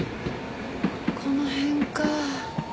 この辺か。